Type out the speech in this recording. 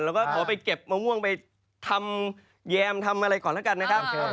เราก็เราไปเก็บมะม่วงไปทำแยมทำอะไรก่อนละกัดนะครับ